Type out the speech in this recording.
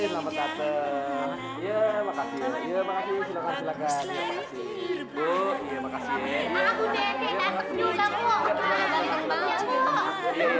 makasih makasih makasih silakan silakan makasih makasih